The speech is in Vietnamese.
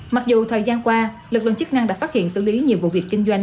mặc dù thời gian qua lực lượng chức năng đã phát hiện xử lý nhiều vụ việc kinh doanh